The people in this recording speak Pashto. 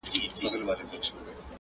دوه جواله یې پر اوښ وه را بارکړي.!